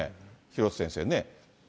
廣瀬先生ね。